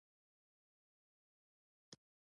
له دې خبرو داسې اخیستنه کولای شو.